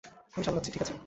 আমি সামলাচ্ছি, ঠিক আছে?